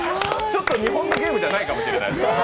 ちょっと日本のゲームじゃないかもしれない。